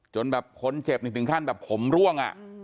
จนแบบคนเจ็บถึงขั้นแบบผมร่วง